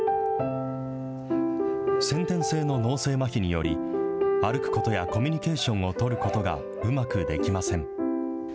先天性の脳性まひにより、歩くことやコミュニケーションを取ることがうまくできません。